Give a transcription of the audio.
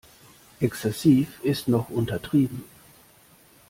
Exzessiv ist noch untertrieben.